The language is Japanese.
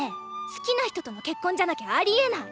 好きな人との結婚じゃなきゃありえない！